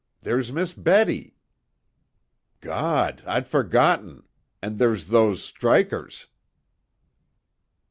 There's Miss Betty!" "God! I'd forgotten! And there's those strikers!"